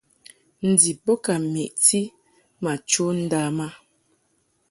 Ndib bo ka meʼti ma chɔʼ ndam a.